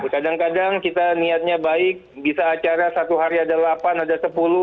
kadang kadang kita niatnya baik bisa acara satu hari ada delapan ada sepuluh